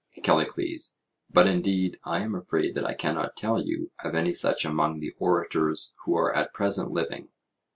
CALLICLES: But, indeed, I am afraid that I cannot tell you of any such among the orators who are at present living.